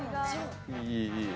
いい、いい。